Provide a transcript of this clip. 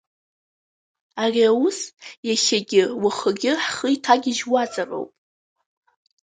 Ари аус иахьагьы уахагьы ҳхы иҭагьежьуазароуп.